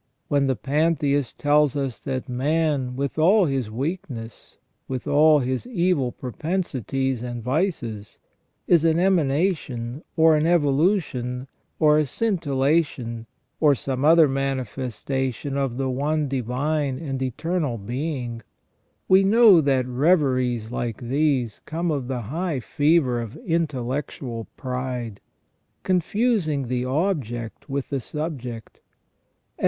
When the Pantheist tells us that man, with all his weakness, with all his evil propen sities and vices, is an emanation, or an evolution, or a scintilla tion, or some other manifestation of the one Divine and Eternal Being, we know that reveries like these come of the high fever of intellectual pride, confusing the object with the subject, and ON THE NATURE OF MAN.